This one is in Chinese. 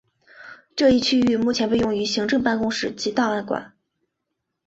这一区域目前被用于行政办公室及档案馆。